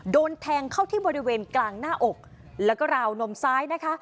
โดนแทงเข้าที่บริเวณกลางหน้าอกแล้วก็ราวนมซ้ายนะคะ